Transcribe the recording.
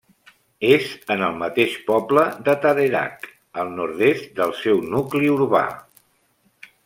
És en el mateix poble de Tarerac, al nord-est del seu nucli urbà.